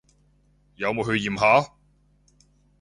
有冇去驗下？